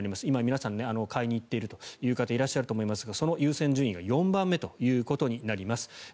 今、皆さん買いに行っている方もいらっしゃると思いますがその優先順位が４番目となります。